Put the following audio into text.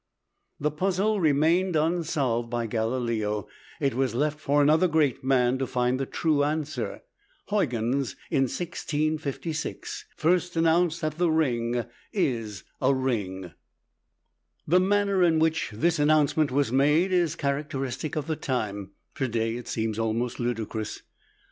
The puzzle remained unsolved by Galileo; it was left for another great man to find the true answer. Huygens, in 1656, first announced that the ring is a ring. The manner in which this announcement was made is characteristic of the time; to day it seems almost ludicrous.